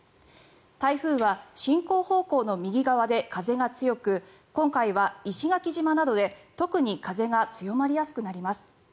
台風は進行方向の右側で風が強く今回は石垣島などで特に風が強まりやすくなります。